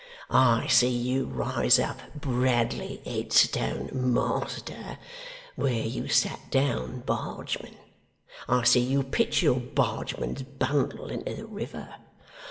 I see you rise up Bradley Headstone, Master, where you sat down Bargeman. I see you pitch your Bargeman's bundle into the river.